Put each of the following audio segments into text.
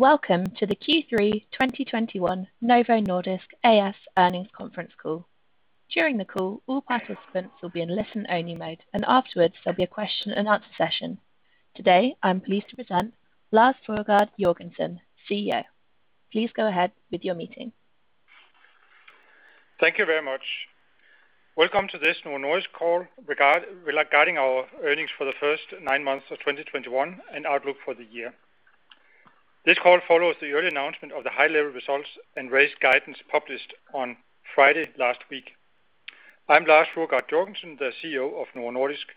Welcome to the Q3 2021 Novo Nordisk A/S earnings conference call. During the call, all participants will be in listen-only mode, and afterwards there'll be a question and answer session. Today, I'm pleased to present Lars Fruergaard Jørgensen, CEO. Please go ahead with your meeting. Thank you very much. Welcome to this Novo Nordisk call regarding our earnings for the first nine months of 2021 and outlook for the year. This call follows the early announcement of the high-level results and raised guidance published on Friday last week. I'm Lars Fruergaard Jørgensen, the CEO of Novo Nordisk.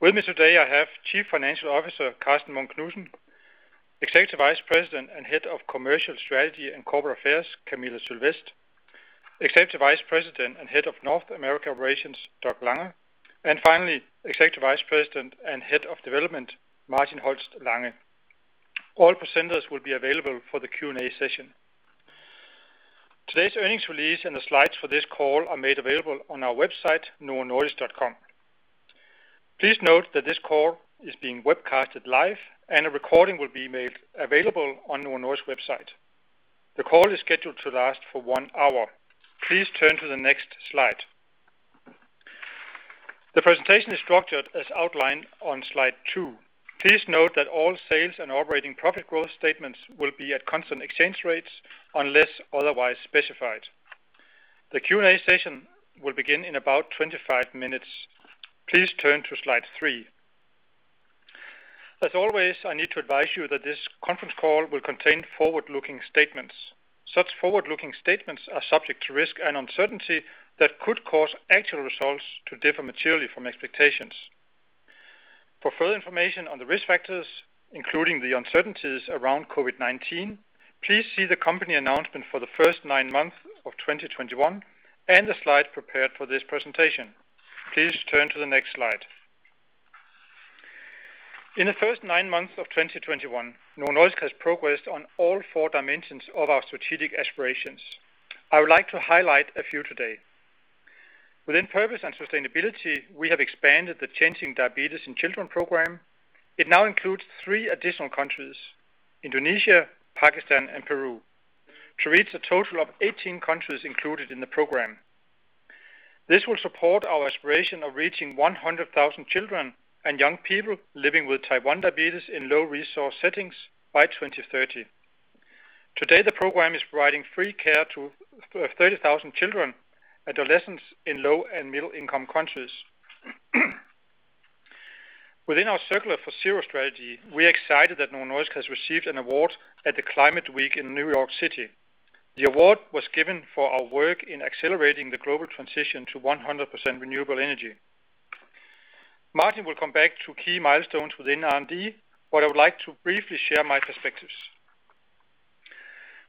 With me today, I have Chief Financial Officer Karsten Munk Knudsen, Executive Vice President and Head of Commercial Strategy and Corporate Affairs, Camilla Sylvest, Executive Vice President and Head of North America Operations, Doug Langa, and finally, Executive Vice President and Head of Development, Martin Holst Lange. All presenters will be available for the Q&A session. Today's earnings release and the slides for this call are made available on our website, novonordisk.com. Please note that this call is being webcasted live, and a recording will be made available on Novo Nordisk's website. The call is scheduled to last for one hour. Please turn to the next slide. The presentation is structured as outlined on slide two. Please note that all sales and operating profit growth statements will be at constant exchange rates unless otherwise specified. The Q&A session will begin in about 25 minutes. Please turn to slide three. As always, I need to advise you that this conference call will contain forward-looking statements. Such forward-looking statements are subject to risk and uncertainty that could cause actual results to differ materially from expectations. For further information on the risk factors, including the uncertainties around COVID-19, please see the company announcement for the first nine months of 2021 and the slides prepared for this presentation. Please turn to the next slide. In the first nine months of 2021, Novo Nordisk has progressed on all four dimensions of our strategic aspirations. I would like to highlight a few today. Within purpose and sustainability, we have expanded the Changing Diabetes in Children program. It now includes three additional countries, Indonesia, Pakistan, and Peru, to reach a total of 18 countries included in the program. This will support our aspiration of reaching 100,000 children and young people living with type 1 diabetes in low resource settings by 2030. To date, the program is providing free care to 30,000 children, adolescents in low and middle income countries. Within our Circular for Zero strategy, we are excited that Novo Nordisk has received an award at the Climate Week in New York City. The award was given for our work in accelerating the global transition to 100% renewable energy. Martin will come back to key milestones within R&D, but I would like to briefly share my perspectives.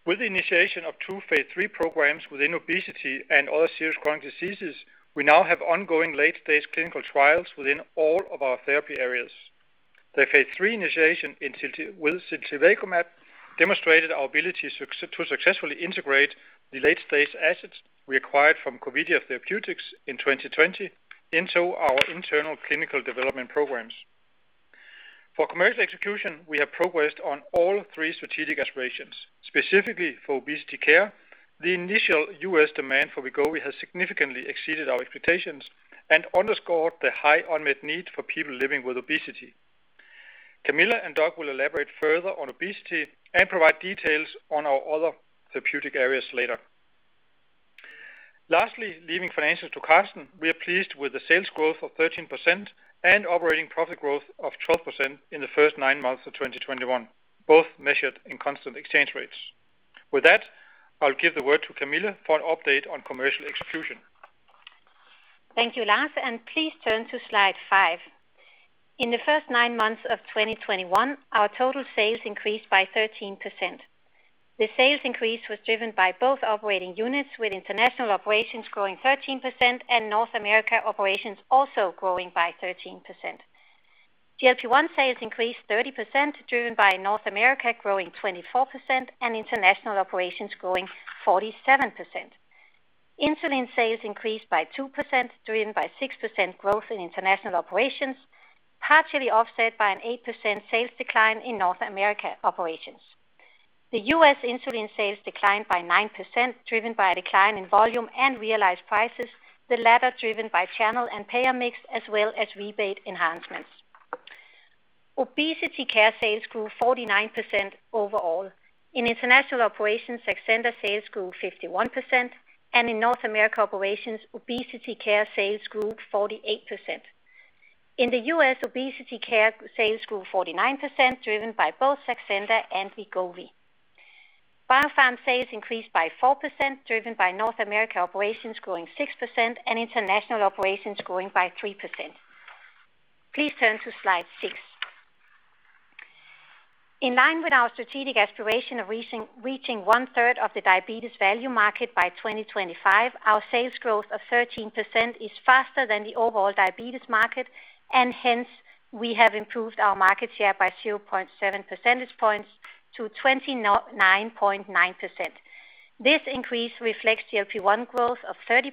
With the initiation of two phase III programs within obesity and other serious chronic diseases, we now have ongoing late-stage clinical trials within all of our therapy areas. The phase III initiation in ziltivekimab demonstrated our ability to successfully integrate the late-stage assets we acquired from Corvidia Therapeutics in 2020 into our internal clinical development programs. For commercial execution, we have progressed on all three strategic aspirations, specifically for obesity care, the initial U.S. demand for Wegovy has significantly exceeded our expectations and underscored the high unmet need for people living with obesity. Camilla and Doug will elaborate further on obesity and provide details on our other therapeutic areas later. Lastly, leaving financials to Karsten, we are pleased with the sales growth of 13% and operating profit growth of 12% in the first nine months of 2021, both measured in constant exchange rates. With that, I'll give the word to Camilla for an update on commercial execution. Thank you, Lars, and please turn to slide five. In the first nine months of 2021, our total sales increased by 13%. The sales increase was driven by both operating units with international operations growing 13% and North America operations also growing by 13%. GLP-1 sales increased 30%, driven by North America growing 24% and international operations growing 47%. Insulin sales increased by 2%, driven by 6% growth in international operations, partially offset by an 8% sales decline in North America operations. The U.S. insulin sales declined by 9%, driven by a decline in volume and realized prices, the latter driven by channel and payer mix as well as rebate enhancements. Obesity care sales grew 49% overall. In international operations, Saxenda sales grew 51%, and in North America operations, obesity care sales grew 48%. In the U.S., obesity care sales grew 49%, driven by both Saxenda and Wegovy. Biopharm sales increased by 4%, driven by North America operations growing 6% and international operations growing by 3%. Please turn to slide six. In line with our strategic aspiration of reaching 1/3 of the diabetes value market by 2025, our sales growth of 13% is faster than the overall diabetes market, and hence, we have improved our market share by 0.7 percentage points to 29.9%. This increase reflects GLP-1 growth of 30%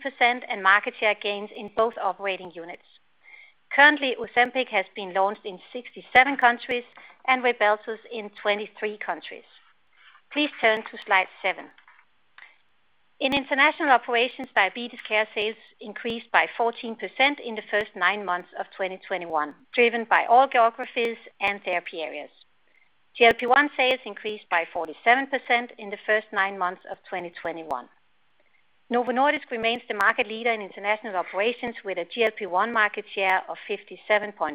and market share gains in both operating units. Currently, Ozempic has been launched in 67 countries and Rybelsus in 23 countries. Please turn to slide seven. In international operations, diabetes care sales increased by 14% in the first nine months of 2021, driven by all geographies and therapy areas. GLP-1 sales increased by 47% in the first nine months of 2021. Novo Nordisk remains the market leader in international operations with a GLP-1 market share of 57.5%,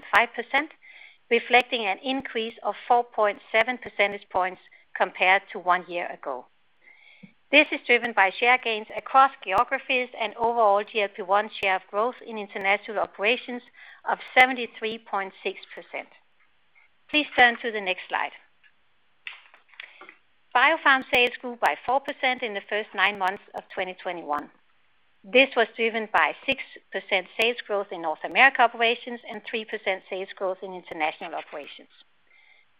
reflecting an increase of 4.7 percentage points compared to one year ago. This is driven by share gains across geographies and overall GLP-1 share of growth in international operations of 73.6%. Please turn to the next slide. Biopharm sales grew by 4% in the first nine months of 2021. This was driven by 6% sales growth in North America operations and 3% sales growth in international operations,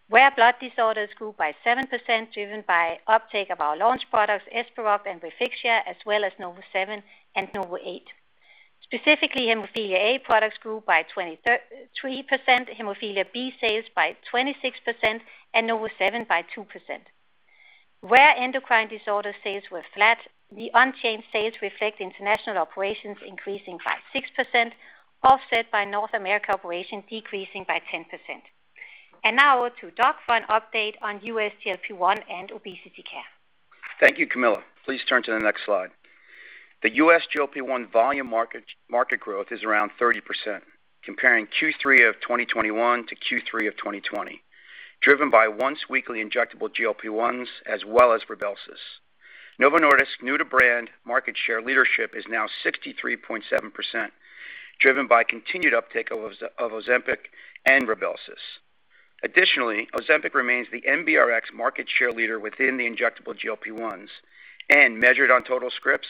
where blood disorders grew by 7% driven by uptake of our launch products, Esperoct and Refixia, as well as NovoSeven and NovoEight. Specifically, hemophilia A products grew by 23%, hemophilia B sales by 26%, and NovoSeven by 2%. Where endocrine disorder sales were flat, the unchanged sales reflect international operations increasing by 6%, offset by North America operations decreasing by 10%. Now to Doug for an update on U.S. GLP-1 and obesity care. Thank you, Camilla. Please turn to the next slide. The U.S. GLP-1 volume market growth is around 30%, comparing Q3 of 2021 to Q3 of 2020, driven by once weekly injectable GLP-1s as well as Rybelsus. Novo Nordisk's new to brand market share leadership is now 63.7%, driven by continued uptake of Ozempic and Rybelsus. Additionally, Ozempic remains the NBRx market share leader within the injectable GLP-1s, and measured on total scripts,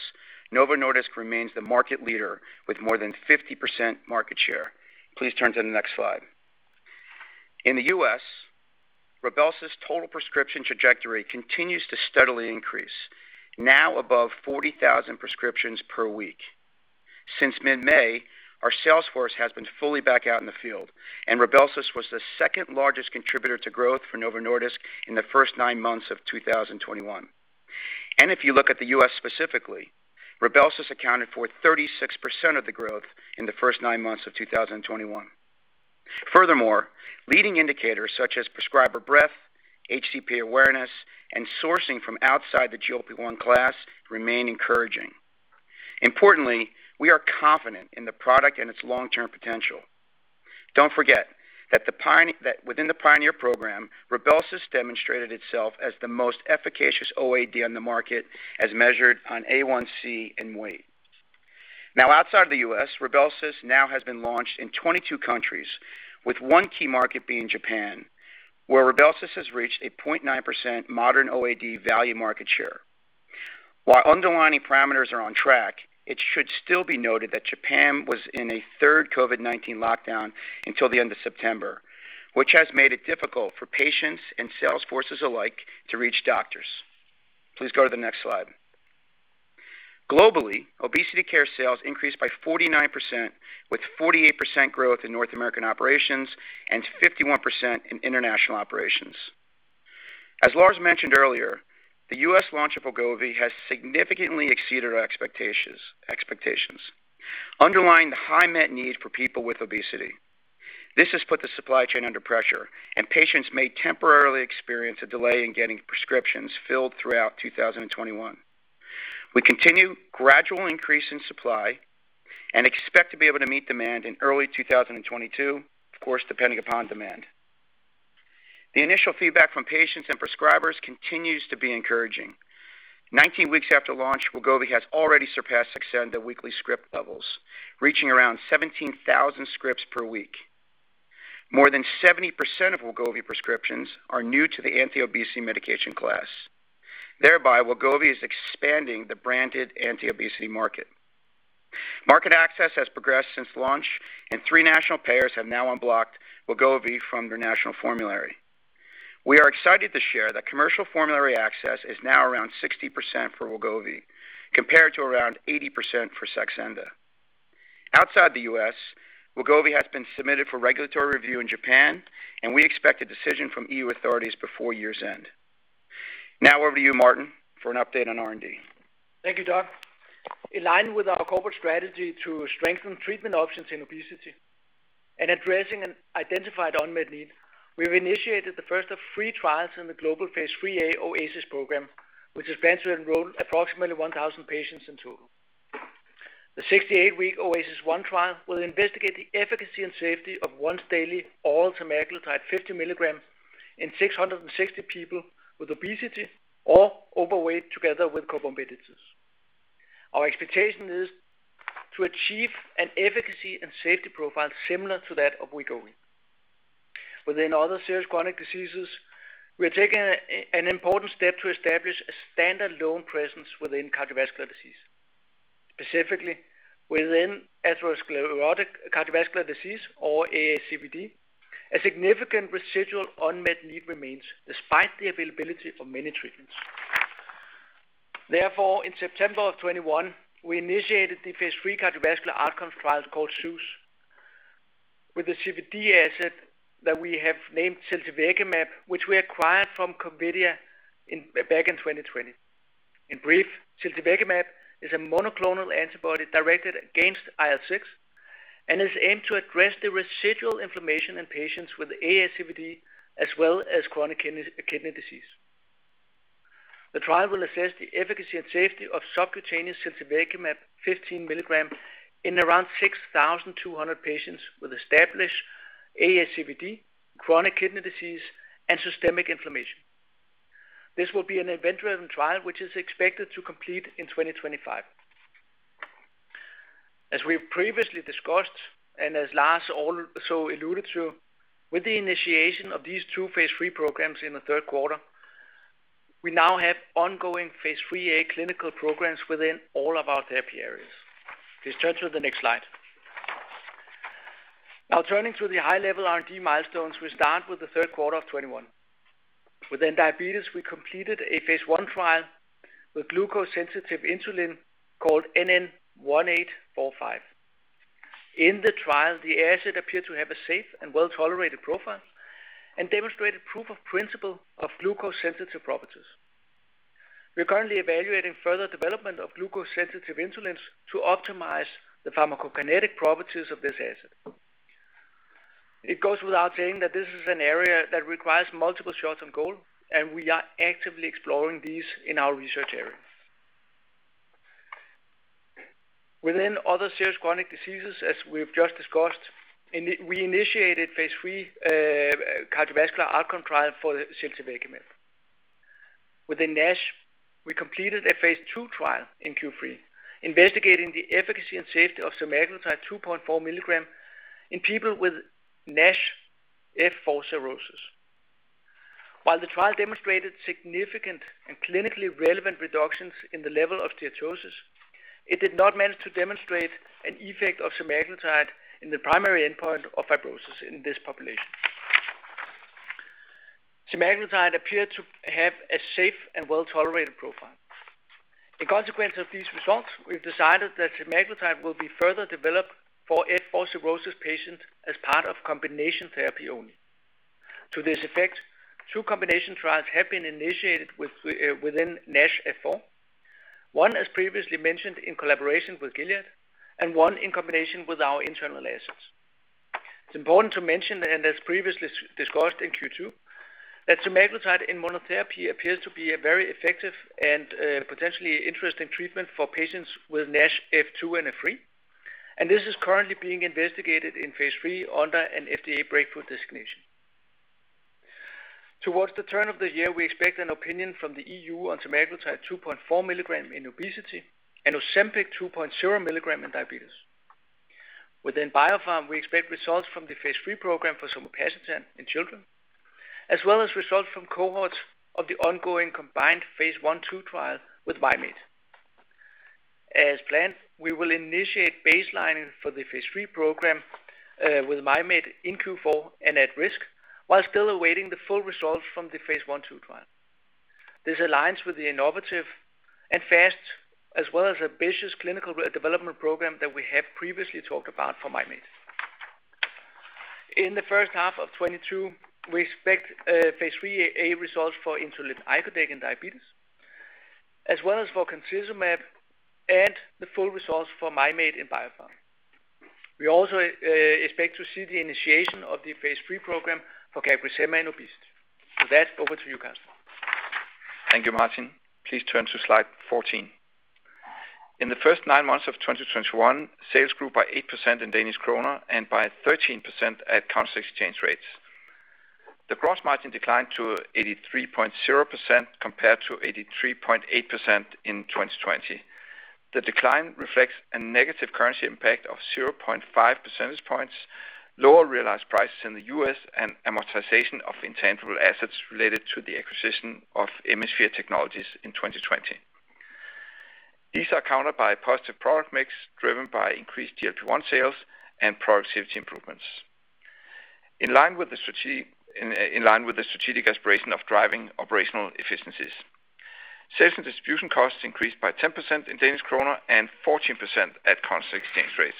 Novo Nordisk remains the market leader with more than 50% market share. Please turn to the next slide. In the U.S., Rybelsus total prescription trajectory continues to steadily increase, now above 40,000 prescriptions per week. Since mid-May, our sales force has been fully back out in the field, and Rybelsus was the second largest contributor to growth for Novo Nordisk in the first nine months of 2021. If you look at the U.S. specifically, Rybelsus accounted for 36% of the growth in the first nine months of 2021. Furthermore, leading indicators such as prescriber breadth, HCP awareness, and sourcing from outside the GLP-1 class remain encouraging. Importantly, we are confident in the product and its long-term potential. Don't forget that within the PIONEER program, Rybelsus demonstrated itself as the most efficacious OAD on the market as measured on A1C and weight. Now outside the U.S., Rybelsus has been launched in 22 countries, with one key market being Japan, where Rybelsus has reached a 0.9% modern OAD value market share. While underlying parameters are on track, it should still be noted that Japan was in a third COVID-19 lockdown until the end of September, which has made it difficult for patients and sales forces alike to reach doctors. Please go to the next slide. Globally, obesity care sales increased by 49%, with 48% growth in North American operations and 51% in international operations. As Lars mentioned earlier, the U.S. launch of Wegovy has significantly exceeded our expectations, underlying the high unmet need for people with obesity. This has put the supply chain under pressure, and patients may temporarily experience a delay in getting prescriptions filled throughout 2021. We continue gradual increase in supply and expect to be able to meet demand in early 2022, of course, depending upon demand. The initial feedback from patients and prescribers continues to be encouraging. 19 weeks after launch, Wegovy has already surpassed Saxenda's weekly script levels, reaching around 17,000 scripts per week. More than 70% of Wegovy prescriptions are new to the anti-obesity medication class. Thereby, Wegovy is expanding the branded anti-obesity market. Market access has progressed since launch, and three national payers have now unblocked Wegovy from their national formulary. We are excited to share that commercial formulary access is now around 60% for Wegovy, compared to around 80% for Saxenda. Outside the U.S., Wegovy has been submitted for regulatory review in Japan, and we expect a decision from EU authorities before year's end. Now over to you, Martin, for an update on R&D. Thank you, Doug. In line with our corporate strategy to strengthen treatment options in obesity and addressing an identified unmet need, we've initiated the first of three trials in the global phase III OASIS program, which is planned to enroll approximately 1,000 patients in total. The 68-week OASIS 1 trial will investigate the efficacy and safety of once-daily oral semaglutide 50 mg in 660 people with obesity or overweight together with comorbidities. Our expectation is to achieve an efficacy and safety profile similar to that of Wegovy. Within other serious chronic diseases, we are taking an important step to establish a strong presence within cardiovascular disease, specifically within atherosclerotic cardiovascular disease or ASCVD. A significant residual unmet need remains despite the availability of many treatments. Therefore, in September of 2021, we initiated the phase III cardiovascular outcomes trial called ZEUS with the CVD asset that we have named ziltivekimab, which we acquired from Corvidia in, back in 2020. In brief, ziltivekimab is a monoclonal antibody directed against IL-6 and is aimed to address the residual inflammation in patients with ASCVD as well as chronic kidney disease. The trial will assess the efficacy and safety of subcutaneous ziltivekimab 15 mg in around 6,200 patients with established ASCVD, chronic kidney disease, and systemic inflammation. This will be an event-driven trial, which is expected to complete in 2025. As we have previously discussed, and as Lars also alluded to, with the initiation of these two phase III programs in the third quarter, we now have ongoing phase III-A clinical programs within all of our therapy areas. Please turn to the next slide. Now turning to the high level R&D milestones, we start with the third quarter of 2021. Within diabetes, we completed a phase I trial with glucose-sensitive insulin called NN1845. In the trial, the asset appeared to have a safe and well-tolerated profile and demonstrated proof of principle of glucose-sensitive properties. We are currently evaluating further development of glucose-sensitive insulins to optimize the pharmacokinetic properties of this asset. It goes without saying that this is an area that requires multiple shots on goal, and we are actively exploring these in our research areas. Within other serious chronic diseases, as we have just discussed, we initiated phase III cardiovascular outcome trial for ziltivekimab. Within NASH, we completed a phase II trial in Q3 investigating the efficacy and safety of semaglutide 2.4 mg in people with NASH F4 cirrhosis. While the trial demonstrated significant and clinically relevant reductions in the level of steatosis, it did not manage to demonstrate an effect of semaglutide in the primary endpoint of fibrosis in this population. Semaglutide appeared to have a safe and well-tolerated profile. In consequence of these results, we've decided that semaglutide will be further developed for F4 cirrhosis patients as part of combination therapy only. To this effect, two combination trials have been initiated with within NASH F4. One, as previously mentioned, in collaboration with Gilead, and one in combination with our internal assets. It's important to mention, and as previously discussed in Q2, that semaglutide in monotherapy appears to be a very effective and potentially interesting treatment for patients with NASH F2 and F3. This is currently being investigated in phase III under an FDA breakthrough designation. Towards the turn of the year, we expect an opinion from the EU on semaglutide 2.4 mg in obesity and Ozempic 2.0 milligrams in diabetes. Within Biopharm, we expect results from the phase III program for somapacitan in children, as well as results from cohorts of the ongoing combined phase I/II trial with Mim8. As planned, we will initiate baseline for the phase III program with Mim8 in Q4 and at risk while still awaiting the full results from the phase I/II trial. This aligns with the innovative and fast as well as ambitious clinical development program that we have previously talked about for Mim8. In the first half of 2022, we expect phase IIIa results for insulin icodec in diabetes, as well as for concizumab and the full results for Mim8 in Biopharm. We also expect to see the initiation of the phase III program for CagriSema in obesity. With that, over to you, Karsten. Thank you, Martin. Please turn to slide 14. In the first nine months of 2021, sales grew by 8% in Danish kroner and by 13% at constant exchange rates. The gross margin declined to 83.0% compared to 83.8% in 2020. The decline reflects a negative currency impact of 0.5 percentage points, lower realized prices in the U.S., and amortization of intangible assets related to the acquisition of Emisphere Technologies in 2020. These are countered by positive product mix driven by increased GLP-1 sales and productivity improvements in line with the strategic aspiration of driving operational efficiencies. Sales and distribution costs increased by 10% in Danish kroner and 14% at constant exchange rates.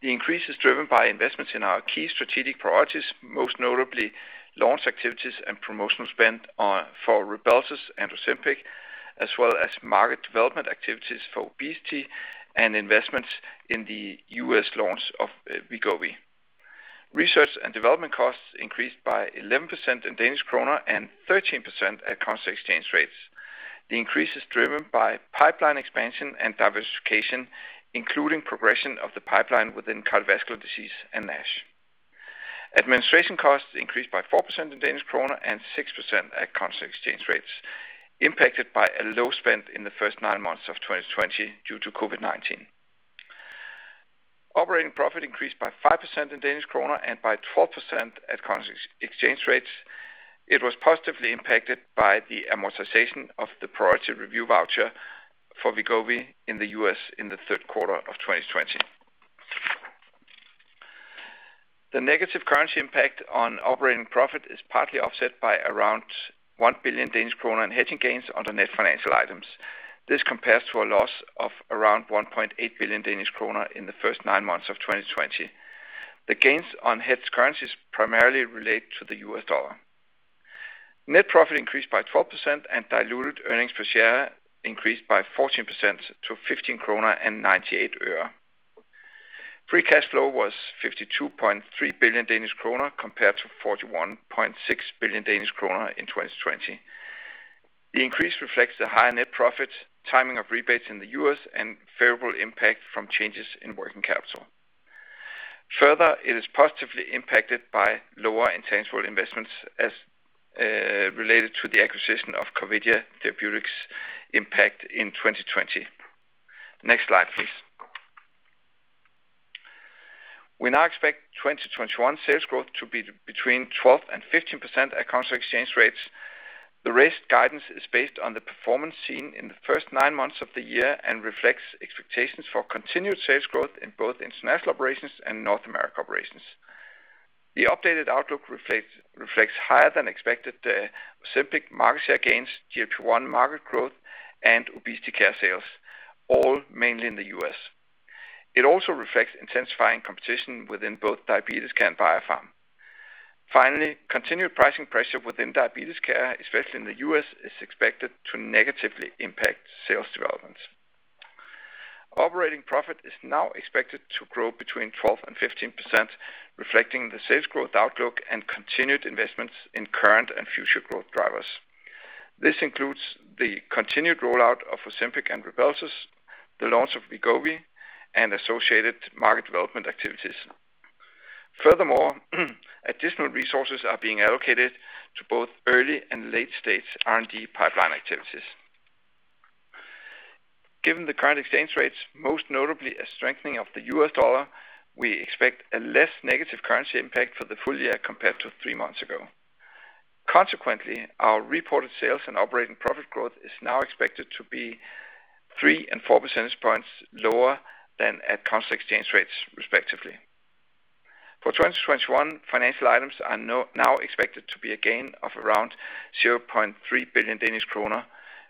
The increase is driven by investments in our key strategic priorities, most notably launch activities and promotional spend on Rybelsus and Ozempic, as well as market development activities for obesity and investments in the U.S. launch of Wegovy. Research and development costs increased by 11% in Danish kroner and 13% at constant exchange rates. The increase is driven by pipeline expansion and diversification, including progression of the pipeline within cardiovascular disease and NASH. Administration costs increased by 4% in Danish kroner and 6% at constant exchange rates, impacted by a low spend in the first nine months of 2020 due to COVID-19. Operating profit increased by 5% in Danish kroner and by 12% at constant exchange rates. It was positively impacted by the amortization of the priority review voucher for Wegovy in the U.S. in the third quarter of 2020. The negative currency impact on operating profit is partly offset by around 1 billion Danish kroner in hedging gains on the net financial items. This compares to a loss of around 1.8 billion Danish kroner in the first nine months of 2020. The gains on hedged currencies primarily relate to the U.S. dollar. Net profit increased by 12% and diluted earnings per share increased by 14% to DKK 15.98. Free cash flow was 52.3 billion Danish kroner compared to 41.6 billion Danish kroner in 2020. The increase reflects the higher net profit, timing of rebates in the U.S., and favorable impact from changes in working capital. Further, it is positively impacted by lower intangible investments as related to the acquisition of Corvidia Therapeutics impact in 2020. Next slide, please. We now expect 2021 sales growth to be between 12% and 15% at constant exchange rates. The raised guidance is based on the performance seen in the first nine months of the year and reflects expectations for continued sales growth in both international operations and North America operations. The updated outlook reflects higher than expected Ozempic market share gains, GLP-1 market growth, and obesity care sales, all mainly in the U.S. It also reflects intensifying competition within both diabetes care and Biopharm. Finally, continued pricing pressure within diabetes care, especially in the U.S., is expected to negatively impact sales developments. Operating profit is now expected to grow between 12% and 15%, reflecting the sales growth outlook and continued investments in current and future growth drivers. This includes the continued rollout of Ozempic and Rybelsus, the launch of Wegovy, and associated market development activities. Furthermore, additional resources are being allocated to both early and late stage R&D pipeline activities. Given the current exchange rates, most notably a strengthening of the U.S. dollar, we expect a less negative currency impact for the full year compared to three months ago. Consequently, our reported sales and operating profit growth is now expected to be 3 and 4 percentage points lower than at constant exchange rates, respectively. For 2021, financial items are now expected to be a gain of around 0.3 billion Danish kroner,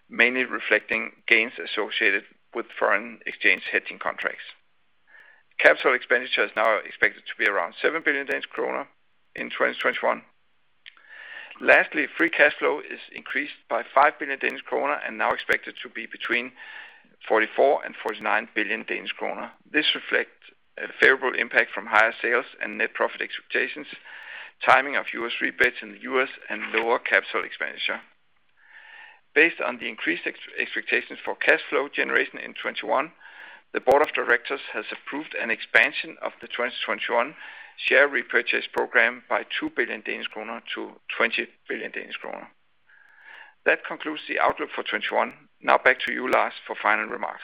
mainly reflecting gains associated with foreign exchange hedging contracts. Capital expenditure is now expected to be around 7 billion Danish kroner in 2021. Lastly, free cash flow is increased by 5 billion Danish kroner and now expected to be between 44 billion and 49 billion Danish kroner. This reflects a favorable impact from higher sales and net profit expectations, timing of U.S. rebates in the U.S., and lower capital expenditure. Based on the increased expectations for cash flow generation in 2021, the Board of Directors has approved an expansion of the 2021 share repurchase program by 2 billion Danish kroner to 20 billion Danish kroner. That concludes the outlook for 2021. Now back to you, Lars, for final remarks.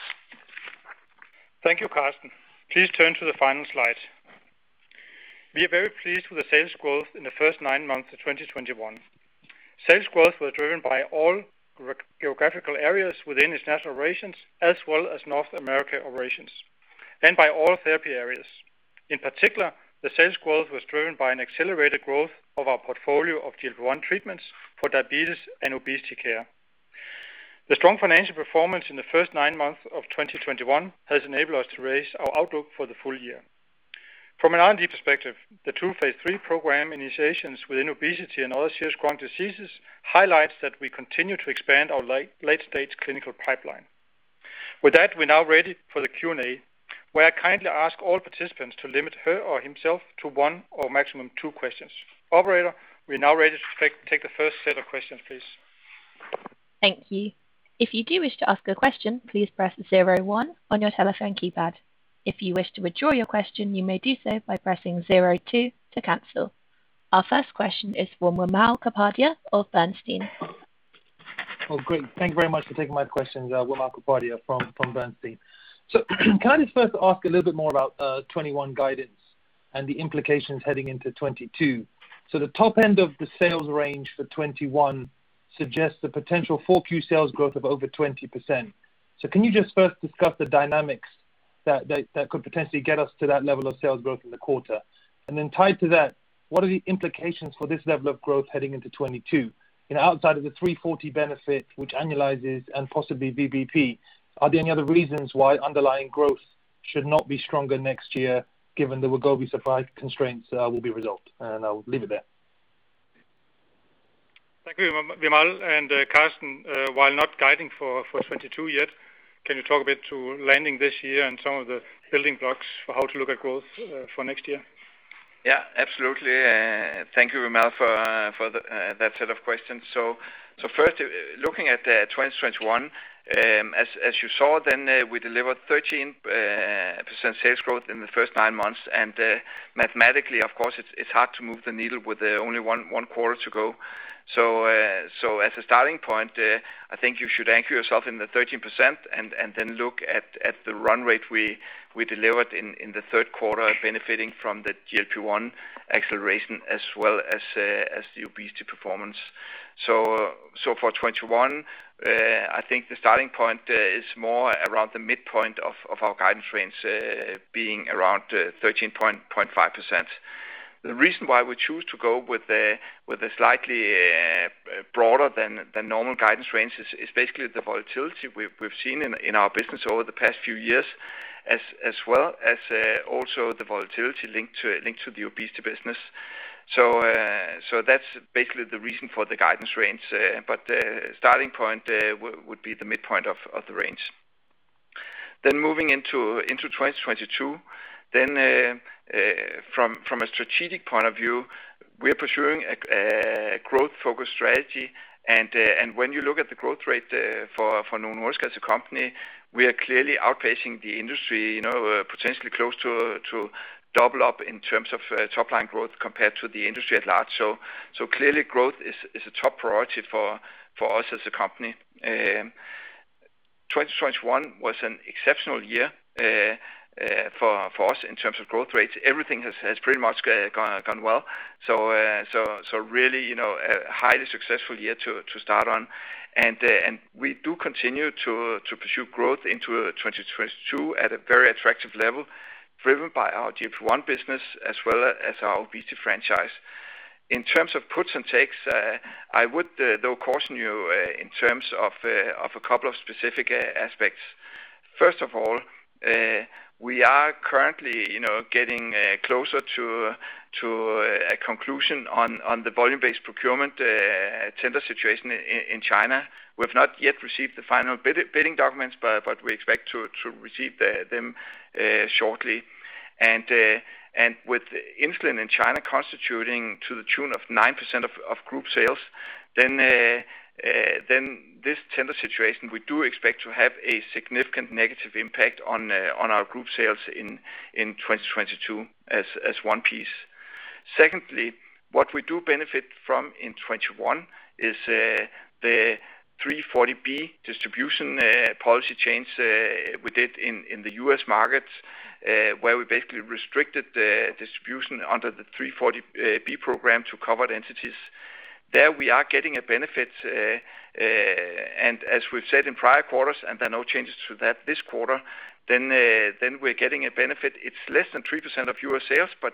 Thank you, Karsten. Please turn to the final slide. We are very pleased with the sales growth in the first nine months of 2021. Sales growth were driven by all geographical areas within international operations as well as North America operations and by all therapy areas. In particular, the sales growth was driven by an accelerated growth of our portfolio of GLP-1 treatments for diabetes and obesity care. The strong financial performance in the first nine months of 2021 has enabled us to raise our outlook for the full year. From an R&D perspective, the two phase III program initiations within obesity and other serious chronic diseases highlights that we continue to expand our late stage clinical pipeline. With that, we're now ready for the Q&A, where I kindly ask all participants to limit her or himself to one or maximum two questions. Operator, we're now ready to take the first set of questions, please. Thank you. Our first question is from Wimal Kapadia of Bernstein. Oh, great. Thank you very much for taking my questions. Wimal Kapadia from Bernstein. Can I just first ask a little bit more about 2021 guidance and the implications heading into 2022? The top end of the sales range for 2021 suggests the potential for Q sales growth of over 20%. Can you just first discuss the dynamics that could potentially get us to that level of sales growth in the quarter? And then tied to that, what are the implications for this level of growth heading into 2022? You know, outside of the 340B benefit which annualizes and possibly VBP, are there any other reasons why underlying growth should not be stronger next year given the Wegovy supply constraints will be resolved? And I'll leave it there. Thank you, Wimal and Karsten, while not guiding for 2022 yet, can you talk a bit about landing this year and some of the building blocks for how to look at growth for next year? Yeah, absolutely. Thank you, Wimal, for that set of questions. So first, looking at 2021, as you saw then, we delivered 13% sales growth in the first nine months. Mathematically, of course, it's hard to move the needle with only one quarter to go. So as a starting point, I think you should anchor yourself in the 13% and then look at the run rate we delivered in the third quarter benefiting from the GLP-1 acceleration as well as the obesity performance. So for 2021, I think the starting point is more around the midpoint of our guidance range, being around 13.5%. The reason why we choose to go with a slightly broader than normal guidance range is basically the volatility we've seen in our business over the past few years, as well as also the volatility linked to the obesity business. That's basically the reason for the guidance range. Starting point would be the midpoint of the range. Moving into 2022, then from a strategic point of view, we are pursuing a growth-focused strategy. When you look at the growth rate for Novo Nordisk as a company, we are clearly outpacing the industry, you know, potentially close to double up in terms of top line growth compared to the industry at large. Clearly growth is a top priority for us as a company. 2021 was an exceptional year for us in terms of growth rates. Everything has pretty much gone well. Really, you know, a highly successful year to start on. We do continue to pursue growth into 2022 at a very attractive level driven by our GLP-1 business as well as our obesity franchise. In terms of puts and takes, I would though caution you in terms of a couple of specific aspects. First of all, we are currently, you know, getting closer to a conclusion on the volume-based procurement tender situation in China. We've not yet received the final bidding documents, but we expect to receive them shortly. With insulin in China constituting to the tune of 9% of group sales, this tender situation we do expect to have a significant negative impact on our group sales in 2022 as one piece. Secondly, what we do benefit from in 2021 is the 340B distribution policy change we did in the U.S. markets, where we basically restricted the distribution under the 340B program to covered entities. There we are getting a benefit, and as we've said in prior quarters, and there are no changes to that this quarter, then we're getting a benefit. It's less than 3% of U.S. sales, but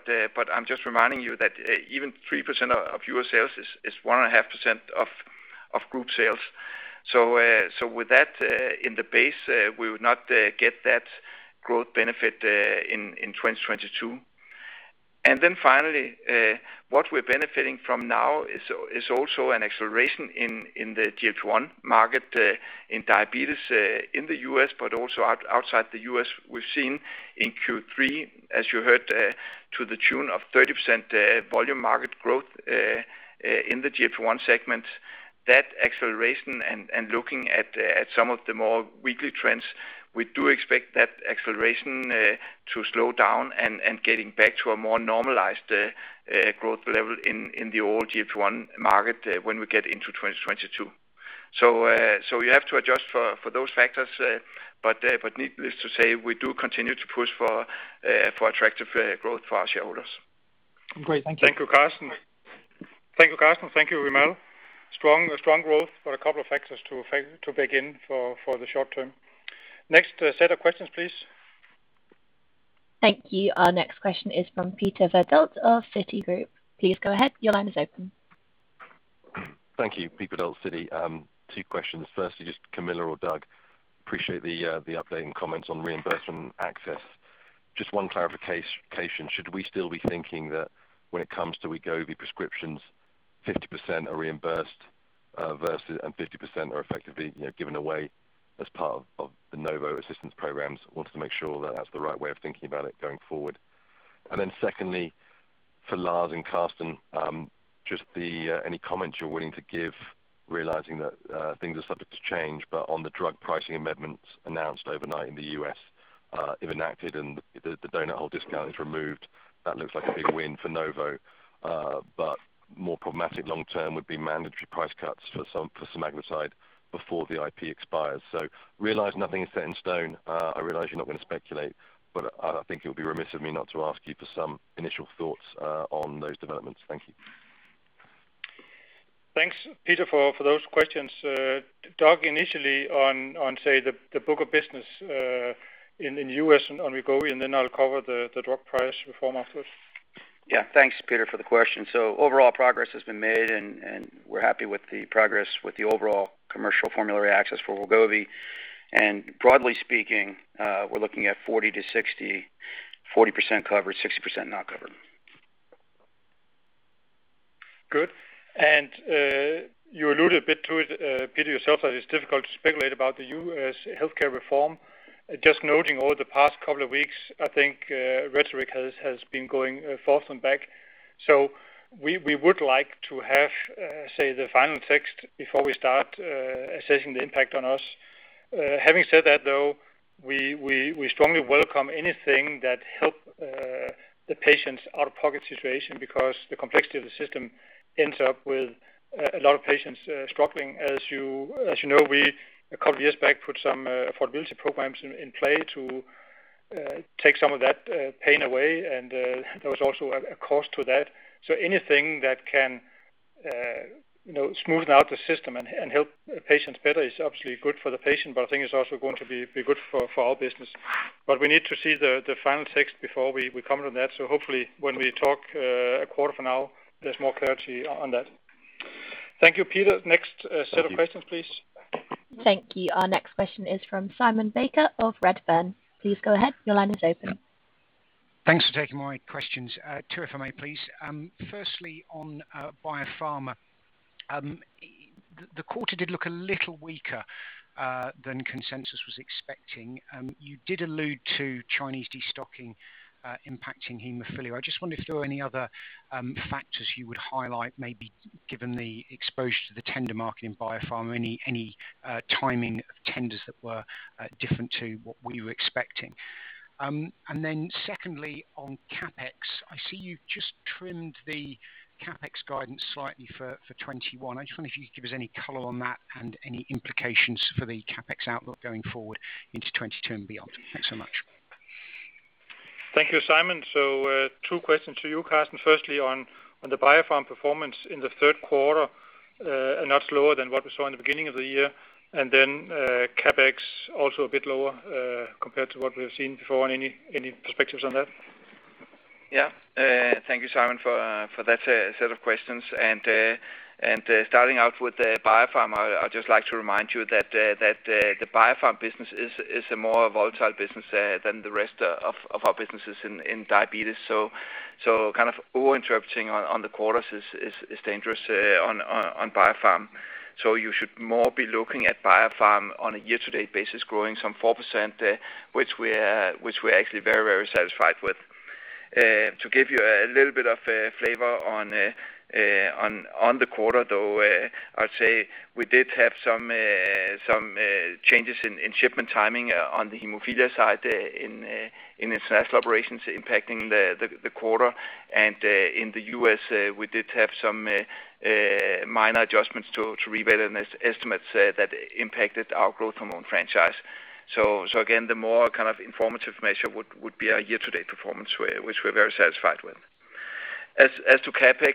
I'm just reminding you that even 3% of U.S. sales is 1.5% of group sales. With that in the base, we would not get that growth benefit in 2022. Finally, what we're benefiting from now is also an acceleration in the GLP-1 market in diabetes in the U.S. but also outside the U.S. We've seen in Q3, as you heard, to the tune of 30% volume market growth in the GLP-1 segment. That acceleration and looking at some of the more weekly trends, we do expect that acceleration to slow down and getting back to a more normalized growth level in the GLP-1 market when we get into 2022. You have to adjust for those factors, but needless to say, we do continue to push for attractive growth for our shareholders. Great. Thank you. Thank you, Karsten. Thank you, Wimal. Strong growth, but a couple of factors to bake in for the short term. Next set of questions, please. Thank you. Our next question is from Peter Verdult of Citigroup. Please go ahead. Your line is open. Thank you. Peter Verdult, Citi. Two questions. Firstly, just Camilla or Doug, appreciate the update and comments on reimbursement and access. Just one clarification, should we still be thinking that when it comes to Wegovy prescriptions, 50% are reimbursed versus and 50% are effectively, you know, given away as part of the Novo assistance programs? Wanted to make sure that that's the right way of thinking about it going forward. Then secondly, for Lars and Karsten, just any comments you're willing to give realizing that things are subject to change, but on the drug pricing amendments announced overnight in the U.S., if enacted and the doughnut hole discount is removed, that looks like a big win for Novo. But more problematic long term would be mandatory price cuts for semaglutide before the IP expires. Realize nothing is set in stone. I realize you're not going to speculate, but I think it would be remiss of me not to ask you for some initial thoughts on those developments. Thank you. Thanks, Peter, for those questions. Doug, initially on say the book of business in the U.S. on Wegovy, and then I'll cover the drug price reform afterwards. Yeah. Thanks, Peter, for the question. Overall progress has been made, and we're happy with the progress with the overall commercial formulary access for Wegovy. Broadly speaking, we're looking at 40%-60%, 40% covered, 60% not covered. Good. You alluded a bit to it, Peter, yourself, that it's difficult to speculate about the U.S. healthcare reform. Just noting over the past couple of weeks, I think, rhetoric has been going back and forth. We would like to have, say, the final text before we start assessing the impact on us. Having said that though, we strongly welcome anything that help the patients out-of-pocket situation because the complexity of the system ends up with a lot of patients struggling. As you know, we a couple years back put some affordability programs in play to take some of that pain away, and there was also a cost to that. Anything that can, you know, smoothen out the system and help patients better is obviously good for the patient, but I think it's also going to be good for our business. We need to see the final text before we comment on that. Hopefully when we talk a quarter from now, there's more clarity on that. Thank you, Peter. Next set of questions, please. Thank you. Our next question is from Simon Baker of Redburn. Please go ahead. Your line is open. Thanks for taking my questions. Two if I may please. Firstly on Biopharm. The quarter did look a little weaker than consensus was expecting. You did allude to Chinese destocking impacting hemophilia. I just wondered if there were any other factors you would highlight maybe given the exposure to the tender market in Biopharm or any timing of tenders that were different to what you were expecting. Secondly, on CapEx, I see you've just trimmed the CapEx guidance slightly for 2021. I just wonder if you could give us any color on that and any implications for the CapEx outlook going forward into 2022 and beyond. Thanks so much. Thank you, Simon. Two questions to you, Karsten. Firstly on the Biopharm performance in the third quarter, and not slower than what we saw in the beginning of the year, and then, CapEx also a bit lower, compared to what we have seen before. Any perspectives on that? Yeah. Thank you, Simon, for that set of questions. Starting out with the Biopharm, I'd just like to remind you that the Biopharm business is a more volatile business than the rest of our businesses in diabetes. Kind of over-interpreting on the quarters is dangerous on Biopharm. You should more be looking at Biopharm on a year-to-date basis growing some 4%, which we're actually very satisfied with. To give you a little bit of flavor on the quarter though, I'd say we did have some changes in shipment timing on the hemophilia side in international operations impacting the quarter. In the U.S., we did have some minor adjustments to revenue estimates that impacted our growth hormone franchise. Again, the more kind of informative measure would be our year-to-date performance, which we're very satisfied with. As to CapEx,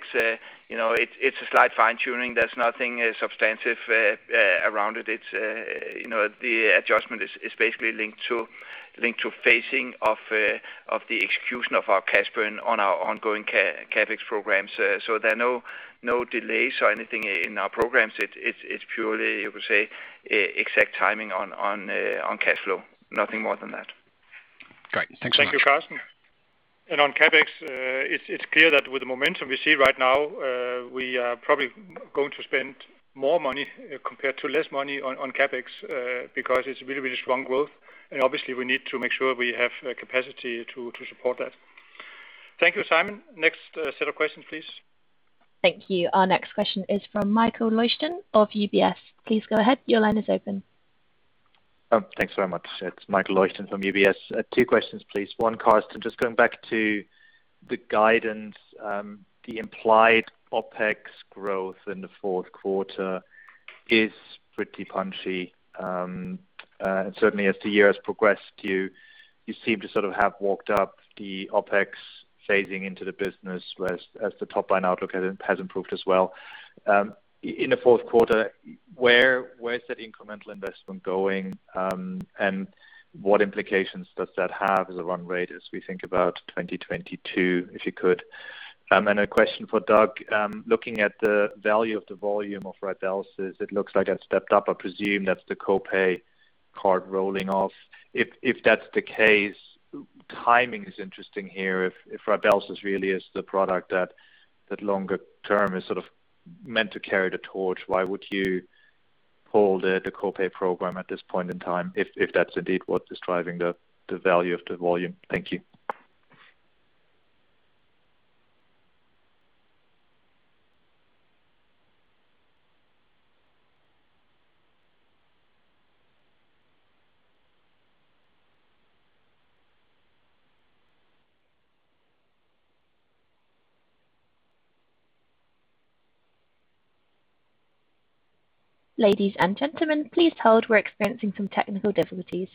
you know, it's a slight fine-tuning. There's nothing substantive around it. The adjustment is basically linked to phasing of the execution of our cash burn on our ongoing CapEx programs. There are no delays or anything in our programs. It's purely, you could say, exact timing on cash flow. Nothing more than that. Great. Thanks so much. Thank you, Karsten. On CapEx, it's clear that with the momentum we see right now, we are probably going to spend more money compared to less money on CapEx, because it's really, really strong growth. Obviously we need to make sure we have the capacity to support that. Thank you, Simon. Next, set of questions, please. Thank you. Our next question is from Michael Leuchten of UBS. Please go ahead. Your line is open. Oh, thanks very much. It's Michael Leuchten from UBS. Two questions, please. One, Karsten, just going back to the guidance, the implied OpEx growth in the fourth quarter is pretty punchy. And certainly as the year has progressed, you seem to sort of have walked up the OpEx phasing into the business as the top-line outlook has improved as well. In the fourth quarter, where is that incremental investment going, and what implications does that have as a run rate as we think about 2022, if you could? And a question for Doug. Looking at the value and volume of Rybelsus, it looks like that stepped up. I presume that's the co-pay card rolling off. If that's the case, timing is interesting here. If Rybelsus really is the product that longer term is sort of meant to carry the torch, why would you pull the co-pay program at this point in time, if that's indeed what is driving the value of the volume? Thank you. Ladies and gentlemen, please hold. We're experiencing some technical difficulties.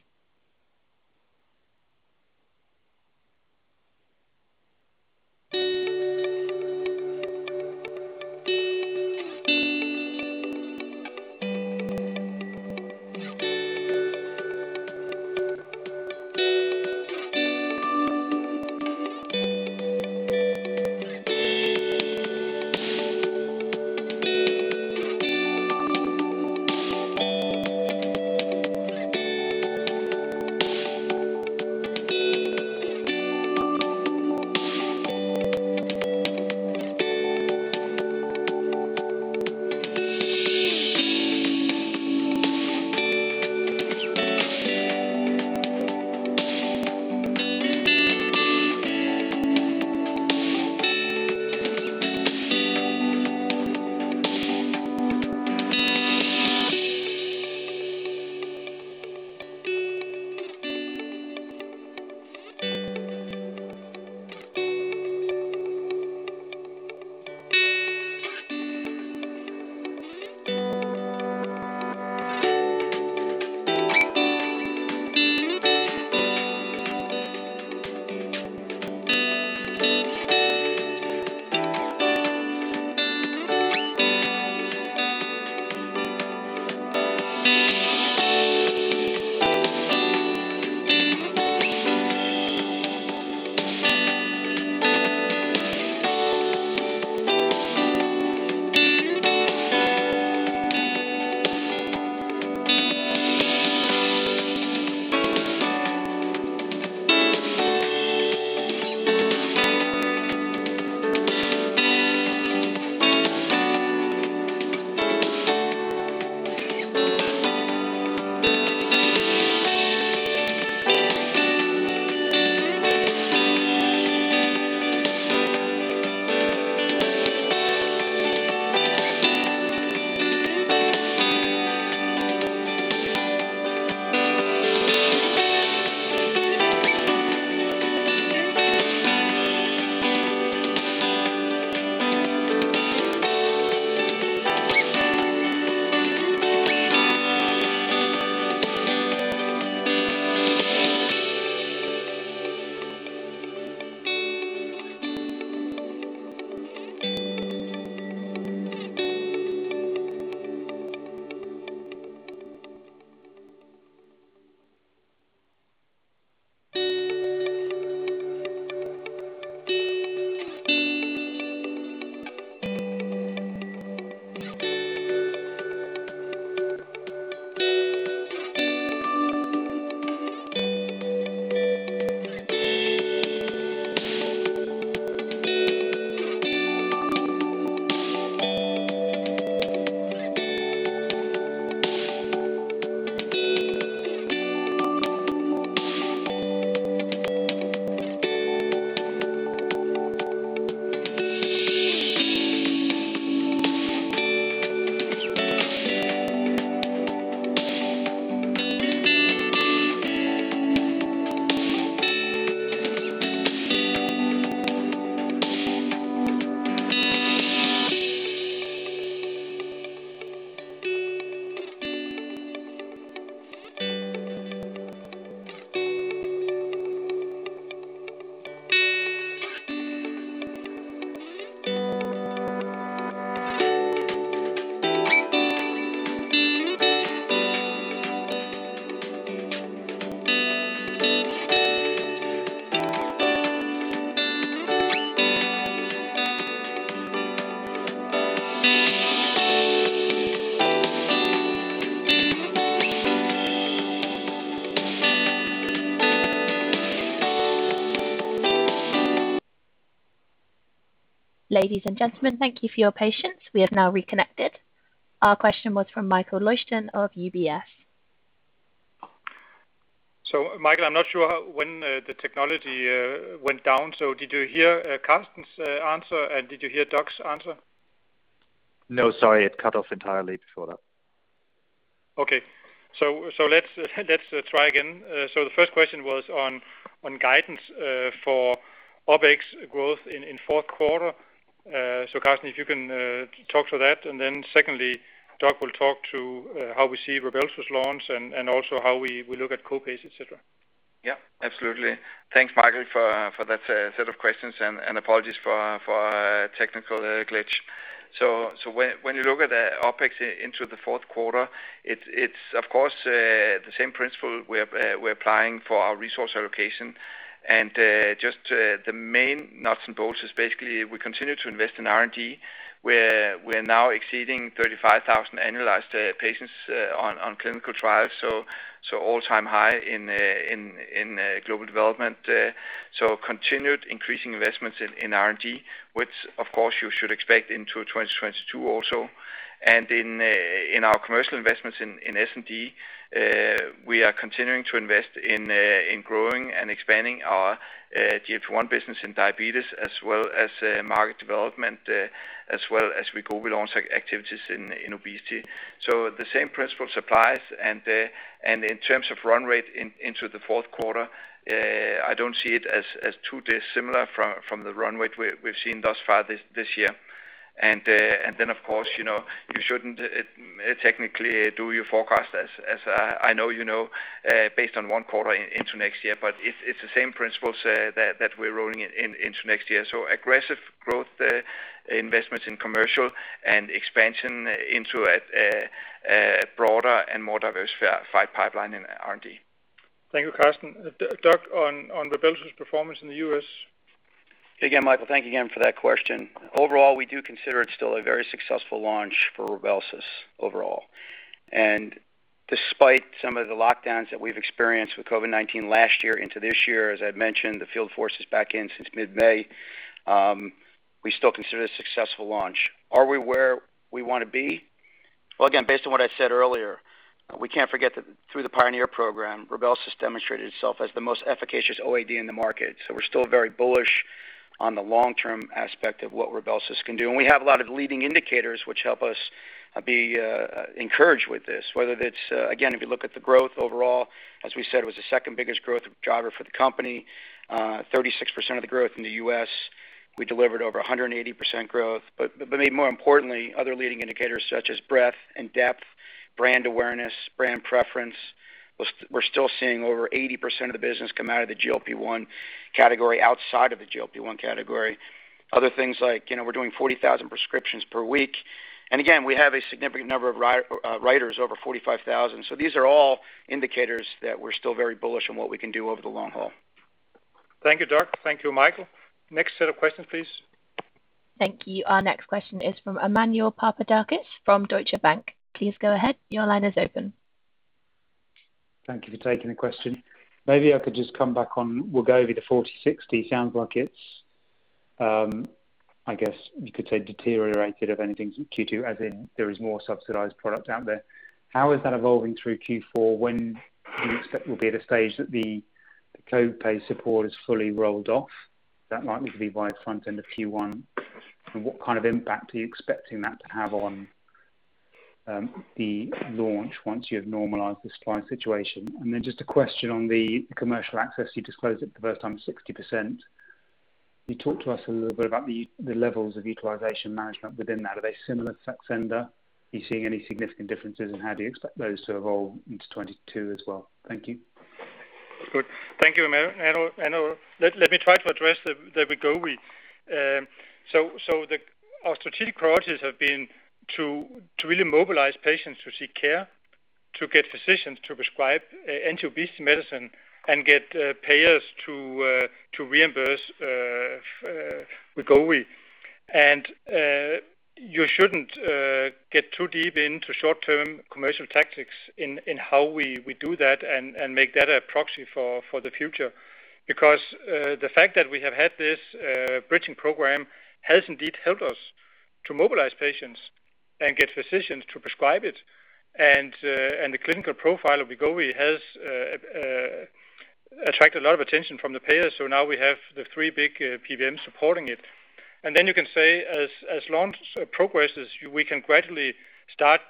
Ladies and gentlemen, thank you for your patience. We have now reconnected. Our question was from Michael Leuchten of UBS. Michael, I'm not sure when the technology went down, so did you hear Karsten's answer, and did you hear Doug's answer? No, sorry. It cut off entirely before that. Okay. Let's try again. The first question was on guidance for OpEx growth in fourth quarter. Karsten, if you can talk to that. Then secondly, Doug will talk to how we see Rybelsus launch and also how we look at co-pays, et cetera. Yeah, absolutely. Thanks, Michael, for that set of questions, and apologies for technical glitch. When you look at OpEx into the fourth quarter, it's of course the same principle we're applying for our resource allocation. Just the main nuts and bolts is basically we continue to invest in R&D, where we're now exceeding 35,000 annualized patients on clinical trials, so all-time high in global development. Continued increasing investments in R&D, which of course you should expect into 2022 also. In our commercial investments in S&D, we are continuing to invest in growing and expanding our GLP-1 business in diabetes as well as market development, as well as we go with activities in obesity. The same principle applies and in terms of run rate into the fourth quarter, I don't see it as too dissimilar from the run rate we've seen thus far this year. Then of course, you know, you shouldn't technically do your forecast as, I know you know, based on one quarter into next year. It's the same principles that we're rolling into next year. Aggressive growth investments in commercial and expansion into a broader and more diversified pipeline in R&D. Thank you, Karsten. Doug, on Rybelsus performance in the U.S. Again, Michael, thank you again for that question. Overall, we do consider it still a very successful launch for Rybelsus overall. Despite some of the lockdowns that we've experienced with COVID-19 last year into this year, as I've mentioned, the field force is back in since mid-May, we still consider it a successful launch. Are we where we wanna be? Well, again, based on what I said earlier, we can't forget that through the PIONEER program, Rybelsus demonstrated itself as the most efficacious OAD in the market. We're still very bullish on the long-term aspect of what Rybelsus can do. We have a lot of leading indicators which help us be encouraged with this, whether that's again, if you look at the growth overall, as we said, it was the second biggest growth driver for the company, 36% of the growth in the US. We delivered over 180% growth. Maybe more importantly, other leading indicators such as breadth and depth, brand awareness, brand preference. We're still seeing over 80% of the business come out of the GLP-1 category outside of the GLP-1 category. Other things like, you know, we're doing 40,000 prescriptions per week. Again, we have a significant number of writers over 45,000. These are all indicators that we're still very bullish on what we can do over the long haul. Thank you, Doug. Thank you, Michael. Next set of questions, please. Thank you. Our next question is from Emmanuel Papadakis from Deutsche Bank. Please go ahead. Your line is open. Thank you for taking the question. Maybe I could just come back on, we'll go over the 40%-60%. Sounds like it's, I guess, you could say, deteriorated of anything Q2, as in there is more subsidized product out there. How is that evolving through Q4 when you expect will be at a stage that the copay support is fully rolled off? That might need to be by front end of Q1. And what kind of impact are you expecting that to have on, the launch once you have normalized the supply situation? And then just a question on the commercial access you disclosed for the first time, 60%. Can you talk to us a little bit about the levels of utilization management within that. Are they similar to Saxenda? Are you seeing any significant differences? How do you expect those to evolve into 2022 as well? Thank you. Good. Thank you, Emmanuel. Let me try to address the Wegovy. Our strategic approaches have been to really mobilize patients to seek care, to get physicians to prescribe anti-obesity medicine and get payers to reimburse Wegovy. You shouldn't get too deep into short-term commercial tactics in how we do that and make that a proxy for the future. Because the fact that we have had this bridging program has indeed helped us to mobilize patients and get physicians to prescribe it. The clinical profile of Wegovy has attracted a lot of attention from the payers. Now we have the three big PBMs supporting it. Then you can say as launch progresses, we can gradually start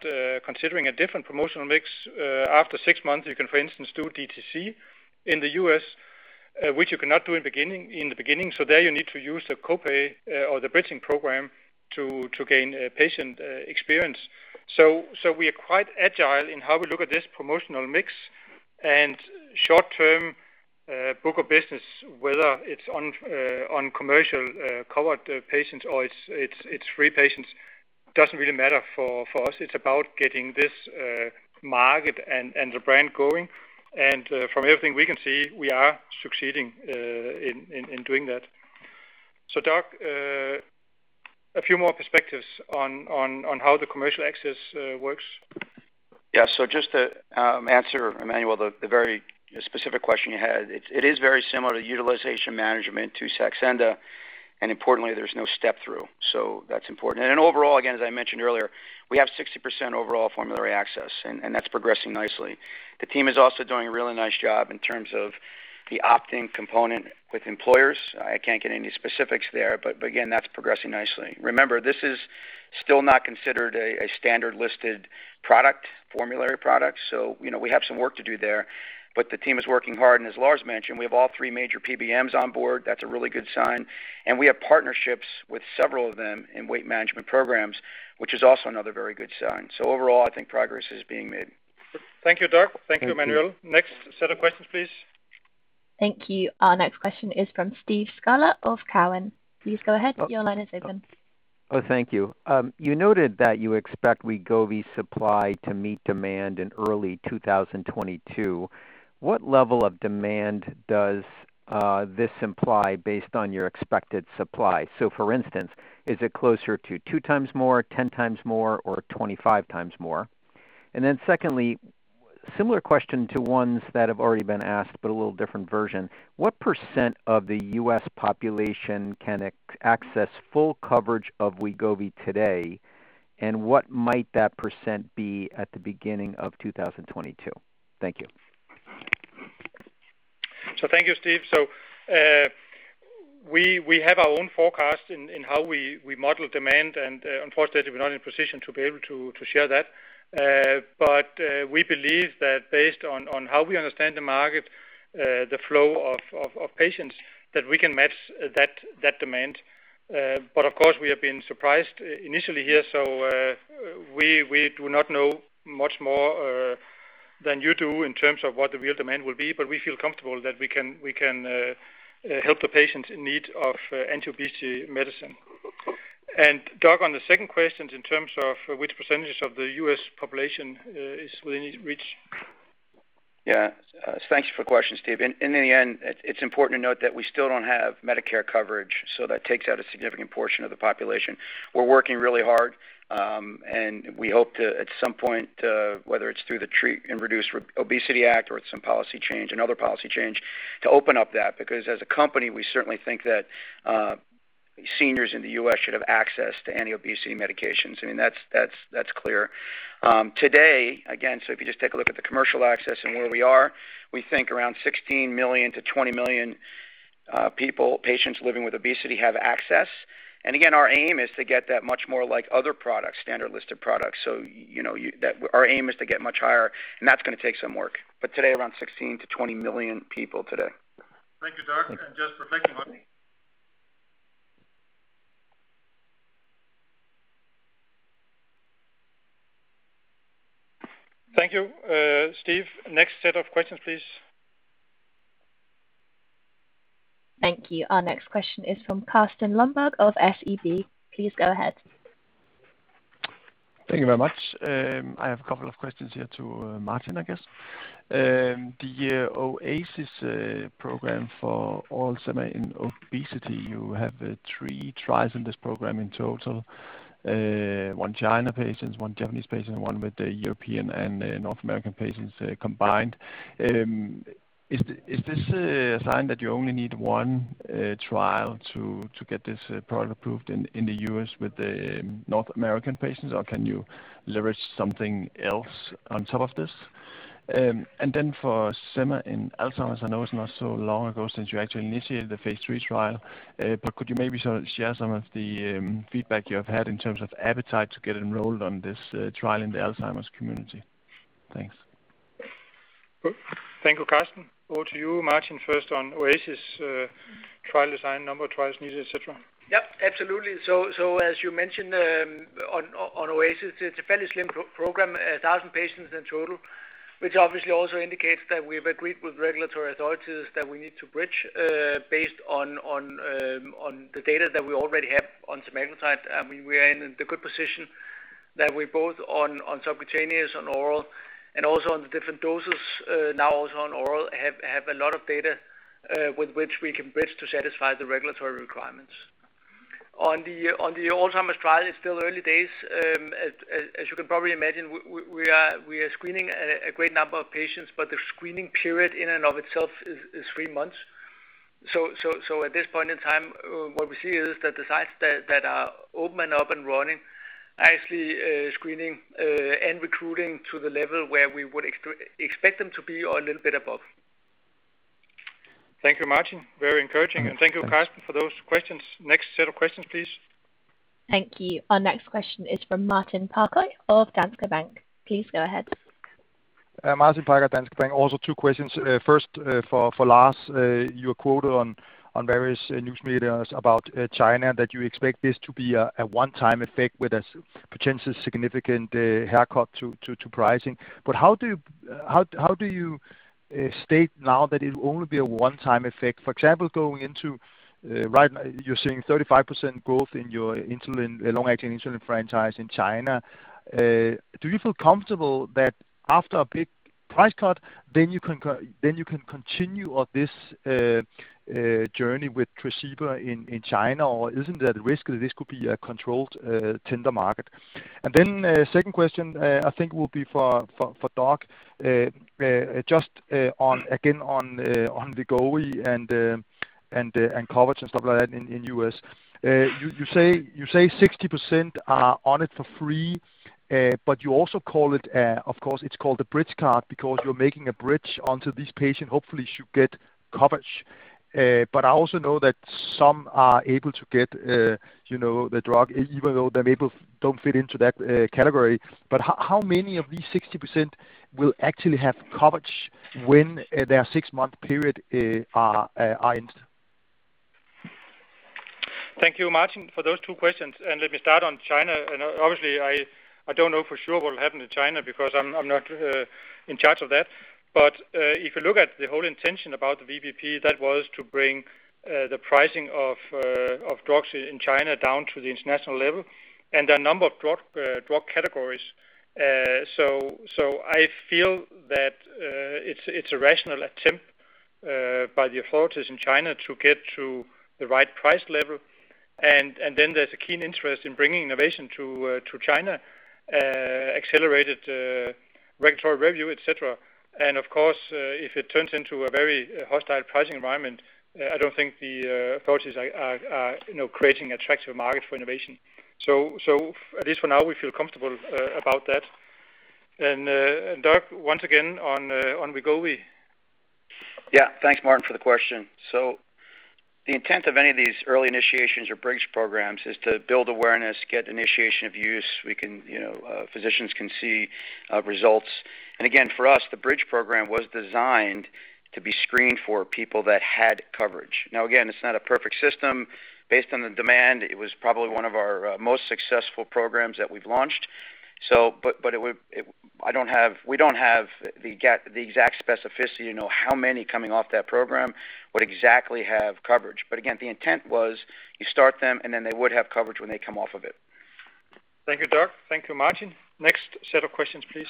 considering a different promotional mix. After six months, you can, for instance, do DTC in the U.S., which you cannot do in the beginning. There you need to use the co-pay or the bridging program to gain patient experience. We are quite agile in how we look at this promotional mix and short-term book of business, whether it's on commercial covered patients or it's free patients, doesn't really matter for us. It's about getting this market and the brand going. From everything we can see, we are succeeding in doing that. Doug, a few more perspectives on how the commercial access works. Just to answer, Emmanuel, the very specific question you had, it is very similar to utilization management to Saxenda, and importantly, there's no step through. That's important. Then overall, again, as I mentioned earlier, we have 60% overall formulary access, and that's progressing nicely. The team is also doing a really nice job in terms of the opting component with employers. I can't get any specifics there, but again, that's progressing nicely. Remember, this is still not considered a standard listed product, formulary product, so you know, we have some work to do there, but the team is working hard. As Lars mentioned, we have all three major PBMs on board. That's a really good sign. We have partnerships with several of them in weight management programs, which is also another very good sign. Overall, I think progress is being made. Thank you, Doug. Thank you, Emmanuel. Next set of questions, please. Thank you. Our next question is from Steve Scala of Cowen. Please go ahead. Your line is open. Oh, thank you. You noted that you expect Wegovy supply to meet demand in early 2022. What level of demand does this imply based on your expected supply? For instance, is it closer to two times more, 10 times more, or 25 times more? Secondly, similar question to ones that have already been asked, but a little different version. What % of the U.S. population can access full coverage of Wegovy today, and what might that percent be at the beginning of 2022? Thank you. Thank you, Steve. We have our own forecast in how we model demand, and unfortunately, we're not in a position to be able to share that. We believe that based on how we understand the market, the flow of patients, that we can match that demand. Of course, we have been surprised initially here, so we do not know much more than you do in terms of what the real demand will be. We feel comfortable that we can help the patients in need of anti-obesity medicine. Doug, on the second question in terms of which percentage of the U.S. population is within reach. Yeah. Thanks for questions, Steve. In the end, it's important to note that we still don't have Medicare coverage, so that takes out a significant portion of the population. We're working really hard, and we hope to, at some point, whether it's through the Treat and Reduce Obesity Act or it's some policy change and other policy change to open up that, because as a company, we certainly think that Seniors in the U.S. should have access to anti-obesity medications. I mean, that's clear. Today, again, so if you just take a look at the commercial access and where we are, we think around 16 million-20 million people, patients living with obesity have access. Again, our aim is to get that much more like other products, standard list of products. You know, that our aim is to get much higher, and that's gonna take some work. Today, around 16-20 million people. Thank you, Doug, and just for taking one. Thank you. Steve, next set of questions, please. Thank you. Our next question is from Carsten Lønborg of SEB. Please go ahead. Thank you very much. I have a couple of questions here to Martin, I guess. The OASIS program for oral sema in obesity, you have three trials in this program in total. One Chinese patients, one Japanese patients, and one with the European and North American patients combined. Is this a sign that you only need one trial to get this product approved in the U.S. with the North American patients, or can you leverage something else on top of this? And then for sema in Alzheimer's, I know it's not so long ago since you actually initiated the phase III trial, but could you maybe sort of share some of the feedback you have had in terms of appetite to get enrolled on this trial in the Alzheimer's community? Thanks. Thank you, Carsten. Over to you, Martin. First on OASIS, trial design, number of trials needed, et cetera. Yep, absolutely. As you mentioned, on OASIS, it's a fairly slim program, 1,000 patients in total, which obviously also indicates that we have agreed with regulatory authorities that we need to bridge based on the data that we already have on semaglutide. I mean, we are in the good position that we both on subcutaneous and oral and also on the different doses, now also on oral, have a lot of data with which we can bridge to satisfy the regulatory requirements. On the Alzheimer's trial, it's still early days. As you can probably imagine, we are screening a great number of patients, but the screening period in and of itself is three months. At this point in time, what we see is that the sites that are open up and running, actually, screening, and recruiting to the level where we would expect them to be or a little bit above. Thank you, Martin. Very encouraging. Thank you, Karsten, for those questions. Next set of questions, please. Thank you. Our next question is from Martin Parkhøi of Danske Bank. Please go ahead. Martin Parkhøi, Danske Bank. Also two questions. First, for Lars, you were quoted on various news media about China that you expect this to be a one-time effect with a potentially significant haircut to pricing. How do you state now that it will only be a one-time effect? For example, going into right now you're seeing 35% growth in your insulin, long-acting insulin franchise in China. Do you feel comfortable that after a big price cut, you can continue on this journey with Tresiba in China? Isn't there a risk that this could be a controlled tender market? Second question, I think will be for Doug, just on Wegovy and coverage and stuff like that in U.S. You say 60% are on it for free, but you also call it, of course, it's called a bridge card because you're making a bridge until this patient hopefully should get coverage. I also know that some are able to get, you know, the drug even though they don't fit into that category. How many of these 60% will actually have coverage when their six-month period are ended? Thank you, Martin, for those two questions. Let me start on China. Obviously, I don't know for sure what will happen in China because I'm not in charge of that. If you look at the whole intention about the VBP, that was to bring the pricing of drugs in China down to the international level and a number of drug categories. I feel that it's a rational attempt by the authorities in China to get to the right price level. Then there's a keen interest in bringing innovation to China, accelerated regulatory review, et cetera. Of course, if it turns into a very hostile pricing environment, I don't think the authorities are creating attractive market for innovation. At least for now, we feel comfortable about that. Doug, once again on Wegovy. Yeah. Thanks, Martin, for the question. The intent of any of these early initiations or bridge programs is to build awareness, get initiation of use. We can, you know, physicians can see results. Again, for us, the bridge program was designed to be screened for people that had coverage. Now, again, it's not a perfect system. Based on the demand, it was probably one of our most successful programs that we've launched. But we don't have the exact specificity to know how many coming off that program would exactly have coverage. Again, the intent was you start them, and then they would have coverage when they come off of it. Thank you, Doug. Thank you, Martin. Next set of questions, please.